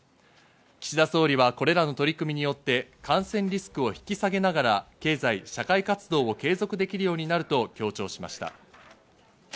岸田総理はこれらの取り組みによって感染リスクを引き下げながら経済社会活動を継続できるようになると強調しました。